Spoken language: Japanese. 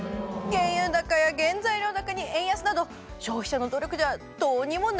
原油高や原材料高に円安など消費者の努力ではどうにもなりません。